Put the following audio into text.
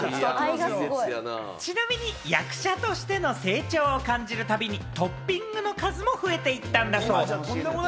ちなみに役者としての成長を感じるたびに、トッピングの数も増えていったんだそう。